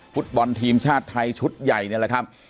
ฟุตบอลทีมชาติไทยชุดใหญ่นี่แหละครับ